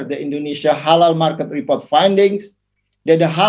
pendapatan halal pasar indonesia yang diberikan